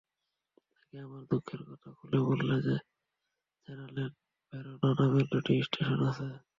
তাকে আমার দুঃখের কথা খুলে বললে জানালেন ভেরোনা নামের দুটি স্টেশন আছে।